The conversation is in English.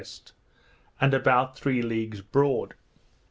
and about three leagues broad.